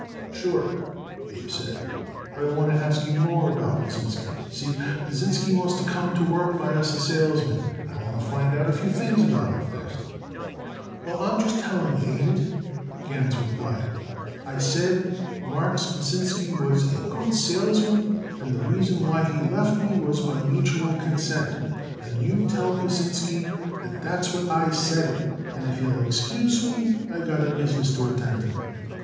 "Sure," Abe said, "but I wanted to ask you more about Pasinsky. You see, Pasinsky wants to come to work by us as salesman, and I want to find out a few things about him first." "Well, I'm just telling you, ain't I?" Gans replied. "I said Marks Pasinsky was a good salesman and the reason why he left me was by mutual consent; and you tell Pasinsky that that's what I said it, and if you'll excuse me I got business to attend to."